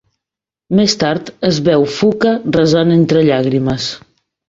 Més tard, es veu Fuka resant entre llàgrimes.